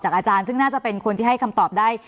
อาจารย์ซึ่งน่าจะเป็นคนที่ให้คำตอบได้